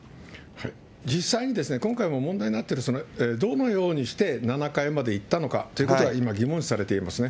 実際に今回問題になっているどのようにして７階まで行ったのかということが今、疑問視されていますね。